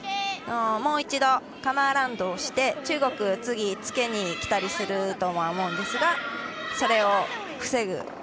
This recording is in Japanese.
もう一度、カムアラウンドして中国が次はつけに来たりするとは思うんですがそれを防ぐ